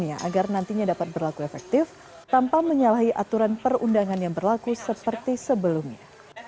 agar nantinya dapat berlaku efektif tanpa menyalahi aturan perundangan yang berlaku seperti sebelumnya